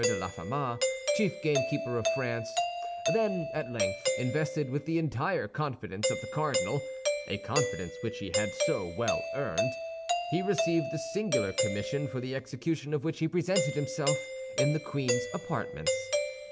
de Laffemas, chief gamekeeper of France; then, at length, invested with the entire confidence of the cardinal—a confidence which he had so well earned—he received the singular commission for the execution of which he presented himself in the queen's apartments.